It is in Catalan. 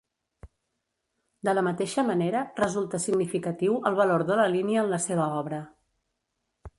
De la mateixa manera, resulta significatiu el valor de la línia en la seva obra.